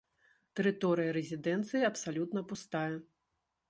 Тэрыторыя рэзідэнцыі абсалютна пустая.